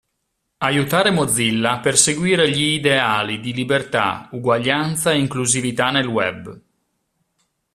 Aiutare Mozilla a perseguire gli ideali di libertà, uguaglianza e inclusività nel web.